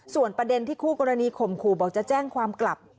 ส่วนประเด็นที่คู่กรณีข่มขู่บอกจะแจ้งความกลับ